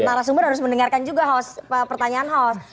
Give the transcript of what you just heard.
narasumber harus mendengarkan juga pertanyaan house